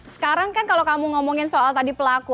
sekarang kan kalau kamu ngomongin soal tadi pelaku